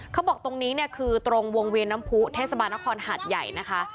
เขาบอกตรงนี้เนี่ยคือตรงวงเวียนน้ำผู้เทศบาลนครหาดใหญ่นะคะ